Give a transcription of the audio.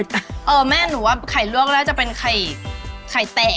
เออแม่หนูว่าไข่ลอกแล้วจะไปไข่ไข่แตก